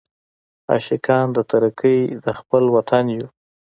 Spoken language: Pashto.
عاشقان د ترقۍ د خپل وطن یو.